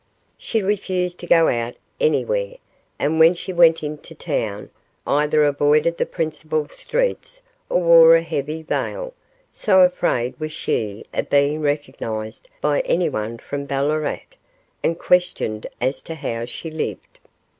She refused to go out anywhere, and when she went into town, either avoided the principal streets, or wore a heavy veil, so afraid was she of being recognised by anyone from Ballarat and questioned as to how she lived.